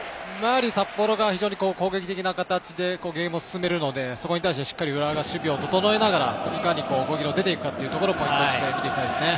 札幌が非常に攻撃的な形でゲームを進めるのでそこに対して浦和が守備を整えながらいかに動きが出て行くかをポイントとして見ていきたいですね。